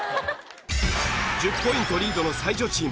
１０ポイントリードの才女チーム。